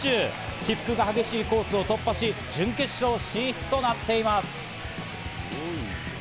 起伏が激しいコースを突破し、準決勝進出となっています。